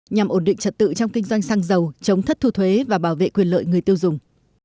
nhằm ổn định trật tự trong kinh doanh xăng dầu chống thất thu thuế và bảo vệ quyền lợi người tiêu dùng